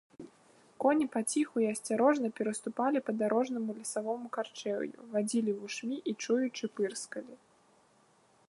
Коні паціху і асцярожна пераступалі па дарожнаму лесавому карчэўю, вадзілі вушмі і чуючы пырскалі.